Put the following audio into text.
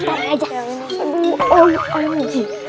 kita tuh sekarang aja